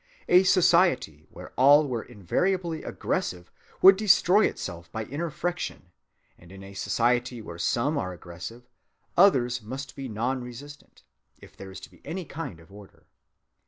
A society where all were invariably aggressive would destroy itself by inner friction, and in a society where some are aggressive, others must be non‐resistant, if there is to be any kind of order.